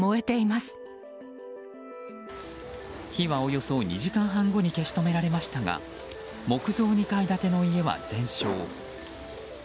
火はおよそ２時間半後に消し止められましたが木造２階建ての家は全焼。